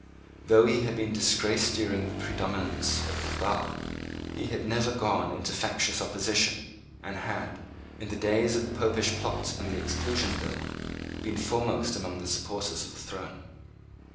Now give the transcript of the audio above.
Though he had been disgraced during the predominance of the Cabal, he had never gone into factious opposition, and had, in the days of the Popish Plot and the Exclusion Bill, been foremost among the supporters of the throne.